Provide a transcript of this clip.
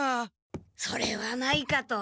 それはないかと。